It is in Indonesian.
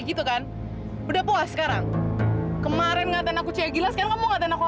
jody sekarang keadaannya gimana ya